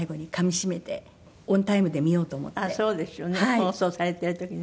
放送されている時ね。